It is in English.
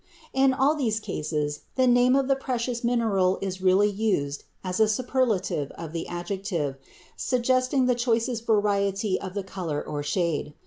In all these cases the name of the precious mineral is really used as a superlative of the adjective, suggesting the choicest variety of the color or shade.